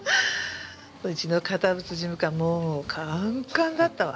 うちの堅物事務官もうカンカンだったわ。